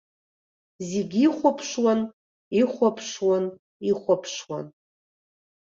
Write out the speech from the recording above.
Зегьы ихәаԥшуан, ихәаԥшуан, ихәаԥшуан.